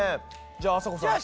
じゃああさこさん。